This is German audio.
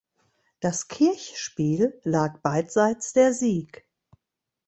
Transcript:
Das Kirchspiel lag beidseits der Sieg.